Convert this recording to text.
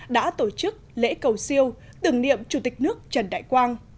đã tổ chức lễ cầu siêu tưởng niệm chủ tịch nước trần đại quang